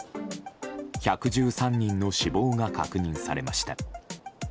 １１３人の死亡が確認されました。